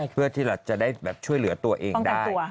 เพื่อที่เราจะได้ช่วยเหลือตัวเองได้